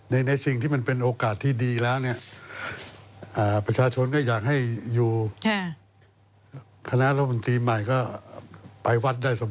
ในสิ่งที่มันเป็นโอกาสที่ดีแล้ว